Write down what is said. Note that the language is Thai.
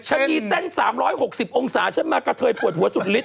ชะนีเต้น๓๖๐องศาฉันมากระเทยปวดหัวสุดฤท